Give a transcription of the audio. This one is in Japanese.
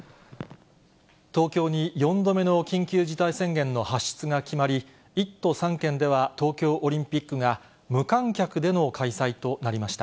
東京に４度目の緊急事態宣言の発出が決まり、１都３県では、東京オリンピックが無観客での開催となりました。